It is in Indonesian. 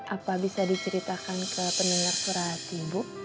apa bisa diceritakan ke penelitian surat ibu